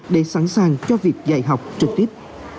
để sẵn sàng cho việc dạy học trực tiếp